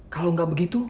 kalau gak begitu